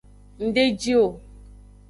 Ng de ji o.